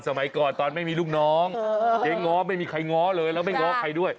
สมัยก่อนตอนไม่มีลูกน้องเจ๊ง้อไม่มีใครง้อเลยแล้วไม่ง้อใครด้วย